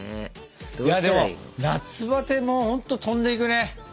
いやでも夏バテもほんと飛んでいくね。